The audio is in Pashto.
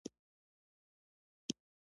مالداري کولای شي د یوې کورنۍ اقتصاد ښه کړي